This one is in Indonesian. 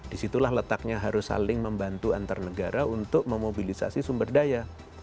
disitulah letaknya harus saling membantu antar negara untuk memobilisasi sumber daya